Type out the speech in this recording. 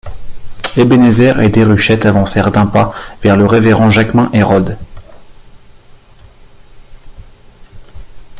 Ebenezer et Déruchette avancèrent d’un pas vers le révérend Jaquemin Hérode.